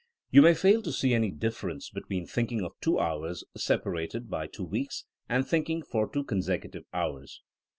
You may fail to see any difference between thinking for two hours separated by two weeks, and thinking for two consecutive hours.